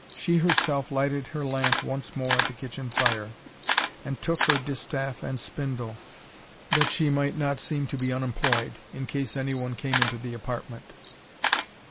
She herself lighted her lamp once more at the kitchen fire, and took her distaff and spindle, that she might not seem to be unemployed, in case any one came into the apartment.